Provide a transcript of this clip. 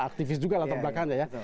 aktivis juga latar belakangnya ya